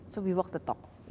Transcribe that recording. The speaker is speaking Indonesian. jadi kita bekerja untuk berbicara